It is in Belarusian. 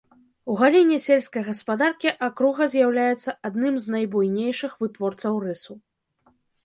У галіне сельскай гаспадаркі акруга з'яўляецца адным з найбуйнейшых вытворцаў рысу.